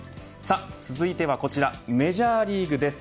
続いてはこちらメジャーリーグです。